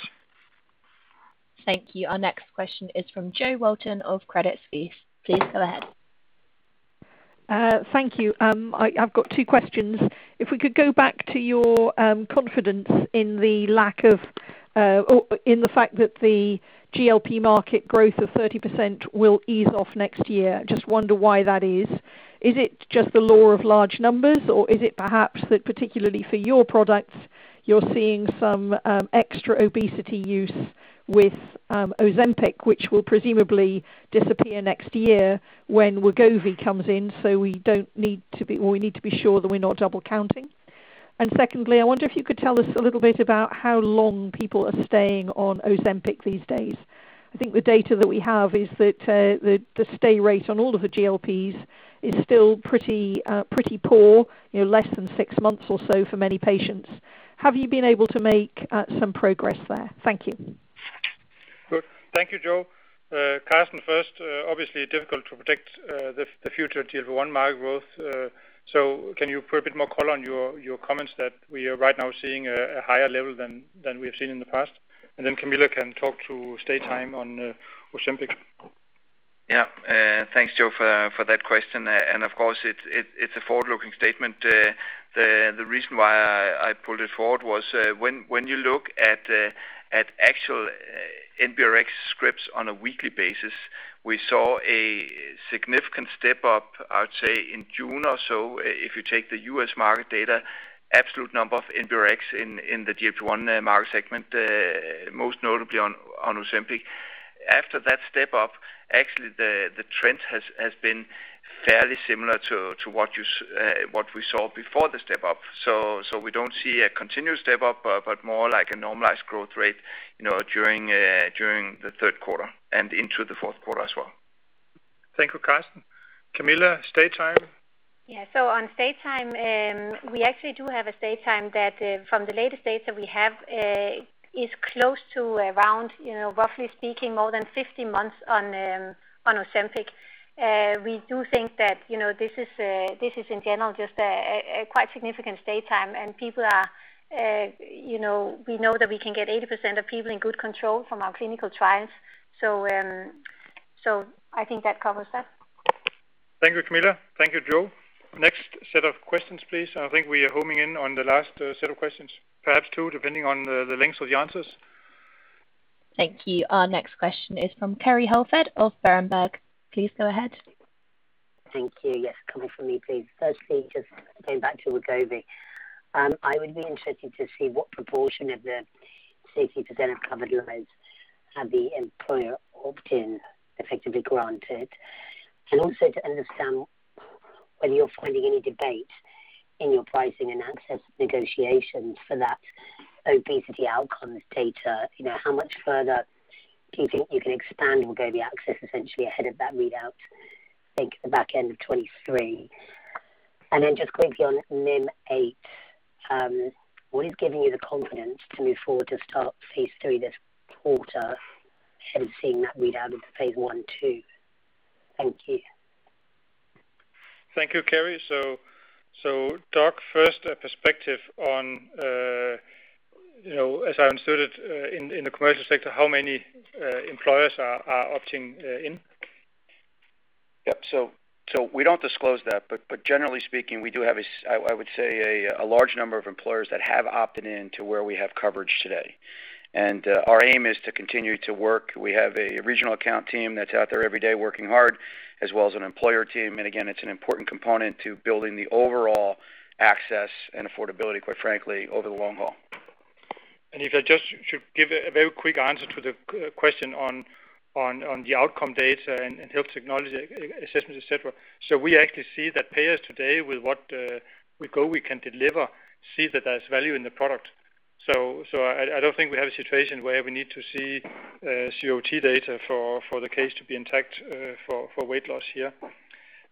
Thank you. Our next question is from Jo Walton of Credit Suisse. Please go ahead. Thank you. I've got two questions. If we could go back to your confidence in the lack of, or in the fact that the GLP market growth of 30% will ease off next year. Just wonder why that is. Is it just the law of large numbers, or is it perhaps that particularly for your products you're seeing some extra obesity use with Ozempic, which will presumably disappear next year when Wegovy comes in, so we need to be sure that we're not double counting? Secondly, I wonder if you could tell us a little bit about how long people are staying on Ozempic these days. I think the data that we have is that the stay rate on all of the GLPs is still pretty poor, you know, less than six months or so for many patients. Have you been able to make some progress there? Thank you. Good. Thank you, Jo. Karsten first, obviously difficult to predict the future GLP-1 market growth. So can you put a bit more color on your comments that we are right now seeing a higher level than we have seen in the past? Then Camilla can talk to supply time on Ozempic. Yeah. Thanks, Jo, for that question. Of course, it's a forward-looking statement. The reason why I pulled it forward was when you look at actual NBRX scripts on a weekly basis, we saw a significant step up, I would say, in June or so, if you take the U.S. market data, absolute number of NBRX in the GLP-1 market segment, most notably on Ozempic. After that step up, actually the trend has been fairly similar to what we saw before the step up. We don't see a continuous step up, but more like a normalized growth rate, you know, during the third quarter and into the fourth quarter as well. Thank you, Karsten. Camilla, stay-time. Yeah. On stay-time, we actually do have a stay-time that, from the latest data we have, is close to around, you know, roughly speaking, more than 50 months on Ozempic. We do think that, you know, this is in general just a quite significant stay-time, and people are, you know, we know that we can get 80% of people in good control from our clinical trials. I think that covers that. Thank you, Camilla. Thank you, Jo. Next set of questions, please. I think we are homing in on the last set of questions, perhaps two, depending on the lengths of the answers. Thank you. Our next question is from Kerry Holford of Berenberg. Please go ahead. Thank you. Yes, coming from me, please. Firstly, just going back to Wegovy. I would be interested to see what proportion of the 60% of covered lives have the employer opt-in effectively granted. Also to understand whether you're finding any debate in your pricing and access negotiations for that obesity outcomes data. You know, how much further do you think you can expand and go the access essentially ahead of that readout, I think, at the back end of 2023? Then just quickly on Mim8, what is giving you the confidence to move forward to start phase III this quarter and seeing that readout in phase I too? Thank you. Thank you, Kerry. Doug, first a perspective on, you know, as I understood it, in the commercial sector, how many employers are opting in? Yep. We don't disclose that, but generally speaking, we do have, I would say, a large number of employers that have opted in to where we have coverage today. Our aim is to continue to work. We have a regional account team that's out there every day working hard, as well as an employer team. Again, it's an important component to building the overall access and affordability, quite frankly, over the long haul. If I just should give a very quick answer to the question on the outcome data and health technology assessment, et cetera. We actually see that payers today with what we can deliver see that there's value in the product. I don't think we have a situation where we need to see CVOT data for the case to be intact for weight loss here.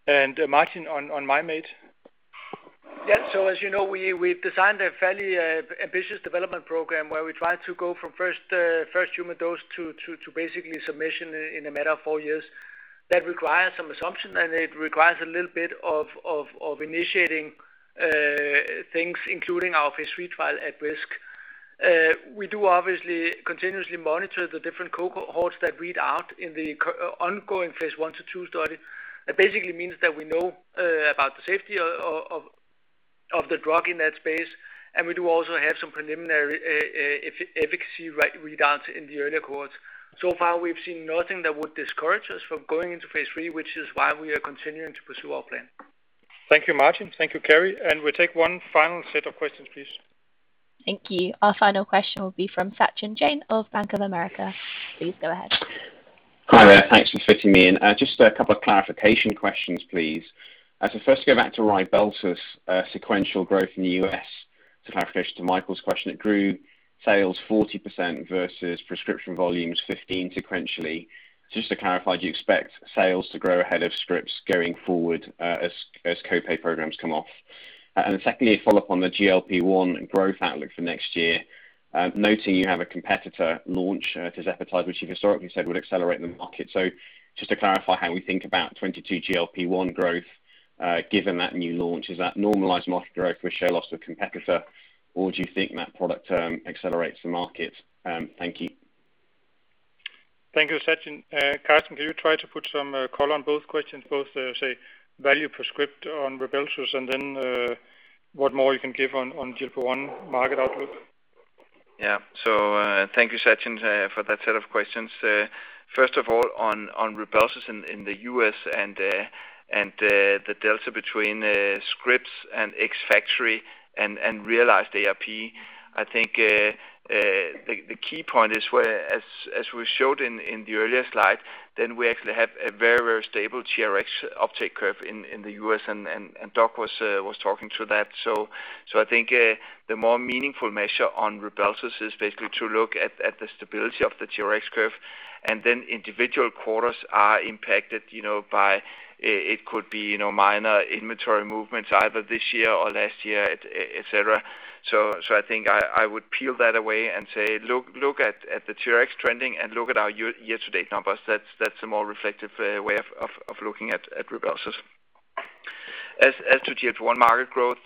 Martin on Mim8. As you know, we've designed a fairly ambitious development program where we try to go from first human dose to basically submission in a matter of four years. That requires some assumption, and it requires a little bit of initiating things including our phase III trial at risk. We do obviously continuously monitor the different cohorts that read out in the ongoing phase I to II study. That basically means that we know about the safety of the drug in that space, and we do also have some preliminary efficacy readouts in the earlier cohorts. So far, we've seen nothing that would discourage us from going into phase III, which is why we are continuing to pursue our plan. Thank you, Martin. Thank you, Kerry. We'll take one final set of questions, please. Thank you. Our final question will be from Sachin Jain of Bank of America. Please go ahead. Hi there. Thanks for fitting me in. Just a couple of clarification questions, please. First, going back to Rybelsus' sequential growth in the U.S. as a clarification to Michael's question. It grew sales 40% versus prescription volumes 15% sequentially. Just to clarify, do you expect sales to grow ahead of scripts going forward, as co-pay programs come off? Secondly, a follow-up on the GLP-1 growth outlook for next year, noting you have a competitor launch, tirzepatide, which you've historically said would accelerate the market. Just to clarify how we think about 2022 GLP-1 growth, given that new launch. Is that normalized market growth with share loss to a competitor, or do you think that product in turn accelerates the market? Thank you. Thank you, Sachin. Karsten, can you try to put some color on both questions, say, value per script on Rybelsus and then, what more you can give on GLP-1 market outlook? Yeah. Thank you, Sachin, for that set of questions. First of all, on Rybelsus in the U.S. and the delta between scripts and ex-factory and realized ARP, I think the key point is whereas we showed in the earlier slide, then we actually have a very stable TRX uptake curve in the U.S. and Doug was talking to that. I think the more meaningful measure on Rybelsus is basically to look at the stability of the TRX curve, and then individual quarters are impacted, you know, by it could be, you know, minor inventory movements either this year or last year, et cetera. I think I would peel that away and say look at the TRX trending and look at our year-to-date numbers. That's a more reflective way of looking at Rybelsus. As to GLP-1 market growth,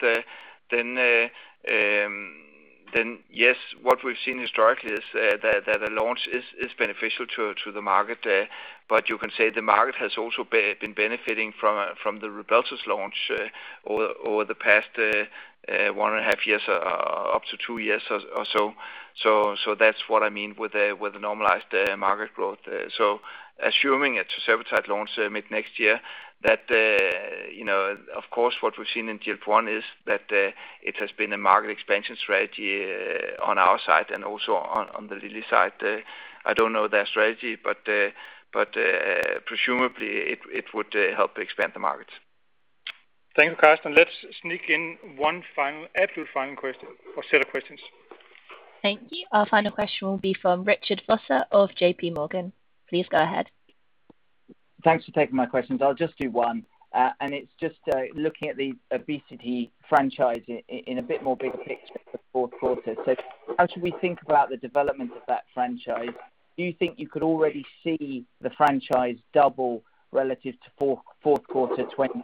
then yes, what we've seen historically is that a launch is beneficial to the market, but you can say the market has also been benefiting from the Rybelsus launch over the past 1.5 years, up to two years or so. That's what I mean with the normalized market growth. Assuming that semaglutide launch mid next year, you know, of course, what we've seen in GLP-1 is that it has been a market expansion strategy on our side and also on the Lilly side. I don't know their strategy, but presumably it would help expand the market. Thank you, Karsten. Let's sneak in one final, absolute final question or set of questions. Thank you. Our final question will be from Richard Vosser of JPMorgan. Please go ahead. Thanks for taking my questions. I'll just do one. It's just looking at the obesity franchise in a bit more bigger picture for fourth quarter. How should we think about the development of that franchise? Do you think you could already see the franchise double relative to fourth quarter 2020,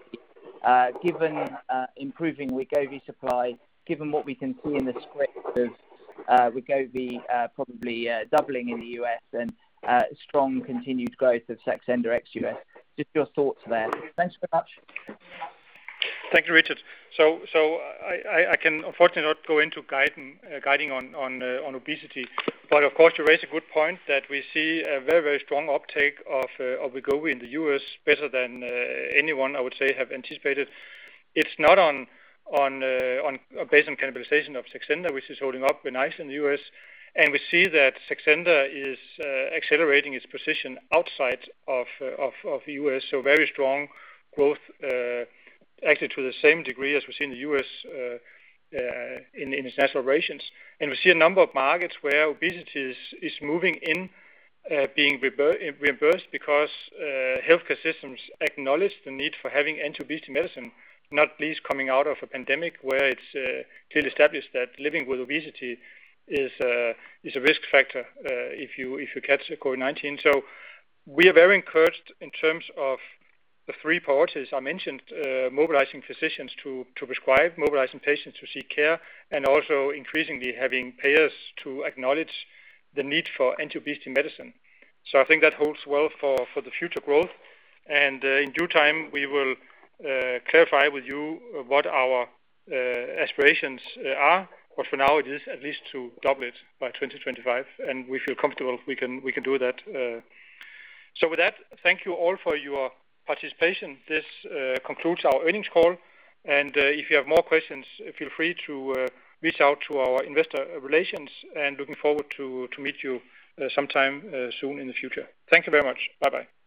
given improving Wegovy supply, given what we can see in the scripts of Wegovy, probably doubling in the U.S. and strong continued growth of Saxenda ex-US? Just your thoughts there. Thanks very much. Thank you, Richard. I can unfortunately not go into guiding on obesity. Of course you raise a good point that we see a very strong uptake of Wegovy in the U.S., better than anyone I would say have anticipated. It's not based on cannibalization of Saxenda, which is holding up nice in the U.S., and we see that Saxenda is accelerating its position outside of the U.S. Very strong growth actually to the same degree as we see in the U.S. in its natural markets. We see a number of markets where obesity is moving in, being reimbursed because healthcare systems acknowledge the need for having anti-obesity medicine, not least coming out of a pandemic, where it's clearly established that living with obesity is a risk factor if you catch COVID-19. We are very encouraged in terms of the three parties I mentioned, mobilizing physicians to prescribe, mobilizing patients to seek care, and also increasingly having payers to acknowledge the need for anti-obesity medicine. I think that holds well for the future growth. In due time, we will clarify with you what our aspirations are. But for now it is at least to double it by 2025, and we feel comfortable we can do that. with that, thank you all for your participation. This concludes our earnings call. If you have more questions, feel free to reach out to our investor relations, and looking forward to meet you sometime soon in the future. Thank you very much. Bye-bye.